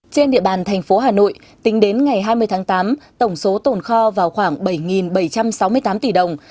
trên địa bàn thành phố hà nội tính đến ngày hai mươi tháng tám tổng số tồn kho vào khoảng bảy bảy trăm sáu mươi tám tỷ đồng